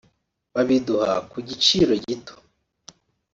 babiduha ku giciro gito